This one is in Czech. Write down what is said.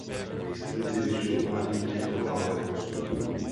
Historici většinou uvádějí těchto válek osm.